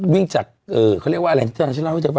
วิ่งจากเขาเรียกว่าอะไร